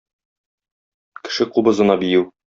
Кеше кубызына бию.